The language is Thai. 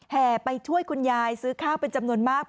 ไปช่วยคุณยายซื้อข้าวเป็นจำนวนมาก